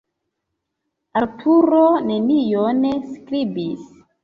Arturo nenion skribis.